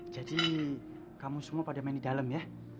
jadi kamu semua pada main di dalam ya